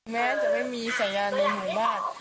แม้จะไม่มีสัญญาณในหมู่บ้าน